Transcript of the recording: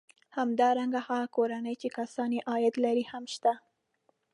همدارنګه هغه کورنۍ چې کسان یې عاید لري هم شته